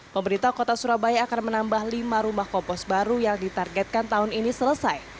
pemerintah kota surabaya akan menambah lima rumah kompos baru yang ditargetkan tahun ini selesai